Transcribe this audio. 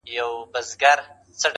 نن څراغه لمبې وکړه پر زړګي مي ارمانونه؛